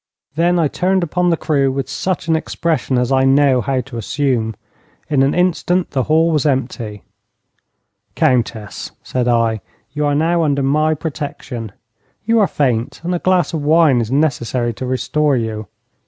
Then I turned upon the crew with such an expression as I know how to assume. In an instant the hall was empty. 'Countess,' said I, 'you are now under my protection. You are faint, and a glass of wine is necessary to restore you.'